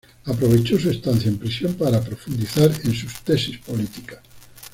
Aprovechó su estancia en prisión para profundizar en sus tesis políticas.